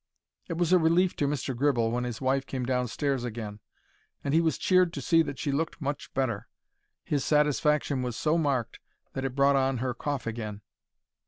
It was a relief to Mr. Gribble when his wife came downstairs again, and he was cheered to see that she looked much better. His satisfaction was so marked that it brought on her cough again.